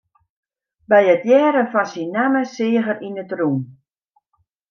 By it hearren fan syn namme seach er yn it rûn.